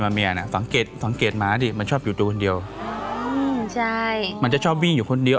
อะไรก็ตามที่มากเกินไปมันมักจะไม่ดี